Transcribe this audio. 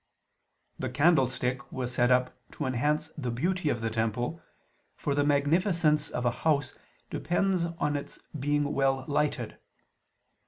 The candlestick was set up to enhance the beauty of the temple, for the magnificence of a house depends on its being well lighted.